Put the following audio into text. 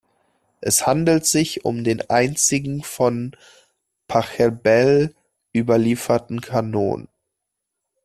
Es handelt sich um den einzigen von Pachelbel überlieferten Kanon.